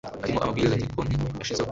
harimo amabwiriza nyiri konti yashizeho